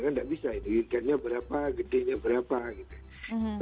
nggak bisa itu ikannya berapa gedenya berapa gitu